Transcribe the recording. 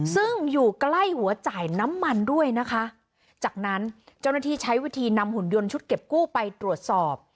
ซึ่งอยู่ใกล้หัวจ่ายน้ำมันด้วยนะคะจากนั้นเจ้าหน้าที่ใช้วิธีนำหุ่นยนต์ชุดเก็บกู้ไปตรวจสอบ